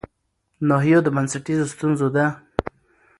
ناحيو د بنسټيزو ستونزو د